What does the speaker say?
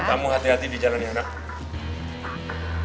kamu hati hati di jalan yang enak